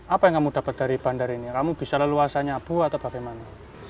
apa yang kamu dapat dari bandar ini kamu bisa leluasa nyabu atau bagaimana